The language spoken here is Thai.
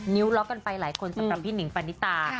ล็อกกันไปหลายคนสำหรับพี่หนิงปานิตา